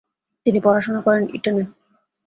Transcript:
তিনি পড়াশোনা করেন ইটনে।